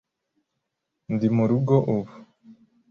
Ndi murugo ubu.